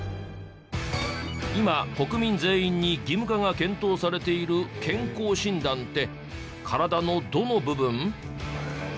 今国民全員に義務化が検討されている健康診断って体のどの部分？